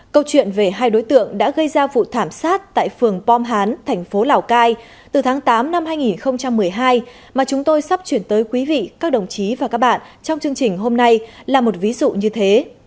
câu chuyện về hai đối tượng đã gây ra vụ thảm sát tại phường pom hán thành phố lào cai từ tháng tám năm hai nghìn một mươi hai mà chúng tôi sắp chuyển tới quý vị các đồng chí và các bạn trong chương trình hôm nay là một ví dụ như thế